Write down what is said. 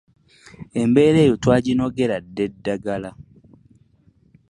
Embeera eyo twaginogera dda eddagala.